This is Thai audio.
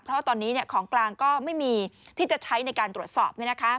เพราะตอนนี้ของกลางก็ไม่มีที่จะใช้ในการตรวจสอบ